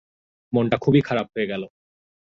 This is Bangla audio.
মনটা খুবই খারাপ হয়ে গেল।